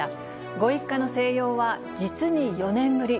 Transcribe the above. ご一家の静養は実に４年ぶり。